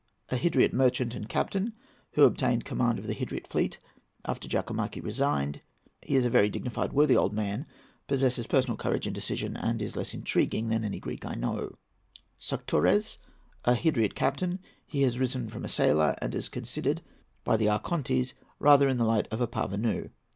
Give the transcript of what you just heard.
—A Hydriot merchant and captain, who obtained command of the Hydriot fleet after Jakomaki resigned. He is a very dignified, worthy old man, possesses personal courage and decision, and is less intriguing than any Greek that I know. SAKTOURES.—A Hydriot captain. He has risen from a sailor, and is considered by the Archontes rather in the light of a parvenu.